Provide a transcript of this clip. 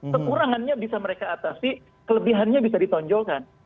kekurangannya bisa mereka atasi kelebihannya bisa ditonjolkan